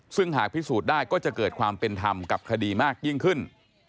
ซึ่งหากพิสูจน์ได้ก็จะเกิดความเป็นธรรมกับคดีมากยิ่งขึ้น